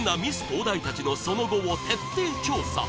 東大たちのその後を徹底調査